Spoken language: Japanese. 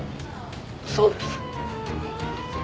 そうです。